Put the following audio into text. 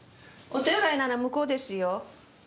お手洗いなら向こうですよ。